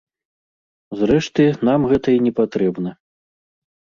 Зрэшты нам гэта й не патрэбна.